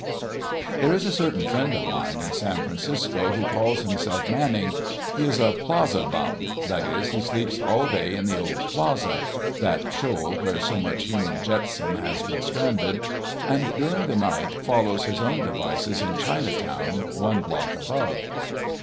There is a certain friend of mine in San Francisco who calls himself Manning. He is a Plaza bum—that is, he sleeps all day in the old Plaza (that shoal where so much human jetsom has been stranded), and during the night follows his own devices in Chinatown, one block above.